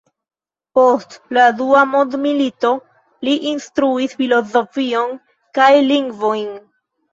Post la dua mondmilito li instruis filozofion kaj lingvojn.